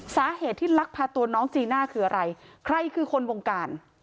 สาเหตุที่ลักพาตัวน้องจีน่าคืออะไรใครคือคนวงการ